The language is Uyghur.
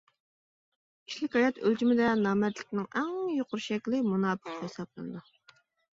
كىشىلىك ھايات ئۆلچىمىدە نامەردلىكنىڭ ئەڭ يۇقىرى شەكلى مۇناپىقلىق ھېسابلىنىدۇ.